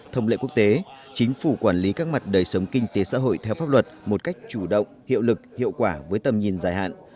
thông lệ quốc tế chính phủ quản lý các mặt đời sống kinh tế xã hội theo pháp luật một cách chủ động hiệu lực hiệu quả với tầm nhìn dài hạn